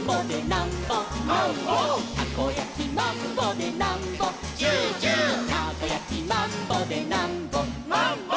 「たこやきマンボでなんぼチューチュー」「たこやきマンボでなんぼマンボ」